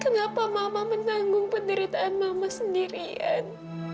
kenapa mama menanggung penderitaan mama sendirian